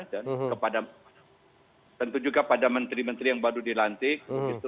dan tentu juga kepada menteri menteri yang baru dilantik